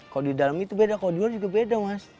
kalau di dalam itu beda kalau di luar juga beda mas